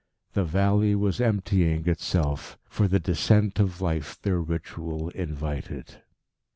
The valley was emptying itself for the descent of life their ritual invited.